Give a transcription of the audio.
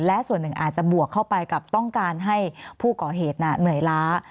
และส่วนหนึ่งอาจจะบวกเข้าไปกับต้องการให้ผู้ก่อเหตุเหนื่อยล้า